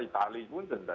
itali pun denda